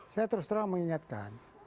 saya terus terang mengingatkan